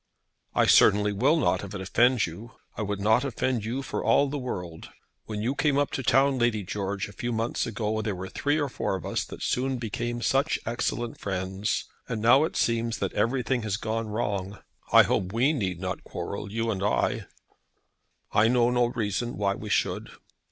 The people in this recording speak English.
"I certainly will not if it offends you. I would not offend you for all the world. When you came up to town, Lady George, a few months ago, there were three or four of us that soon became such excellent friends! And now it seems that everything has gone wrong. I hope we need not quarrel you and I?" "I know no reason why we should."